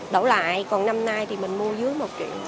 đổ lại còn năm nay thì mình mua dưới một triệu